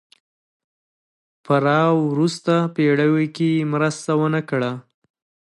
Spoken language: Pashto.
په را وروسته پېړیو کې یې مرسته ونه کړه.